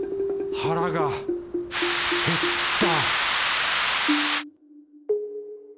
腹が減った